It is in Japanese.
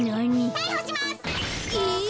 たいほします。え！